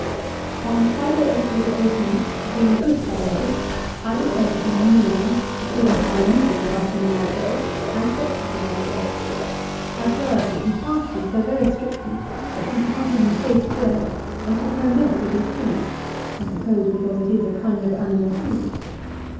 On Friday, April 14, being Good Friday, I repaired to him in the morning, according to my usual custom on that day, and breakfasted with him. I observed that he fasted so very strictly, that he did not even taste bread, and took no milk with his tea; I suppose because it is a kind of animal food.